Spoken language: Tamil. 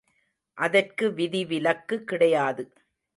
அதற்கு விதிவிலக்கு கிடையாது.